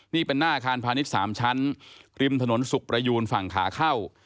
นี่เป็นหน้าอาคารพาณิชย์๓ชั้นริมถนนสุขประยูนฝั่งขาเข้า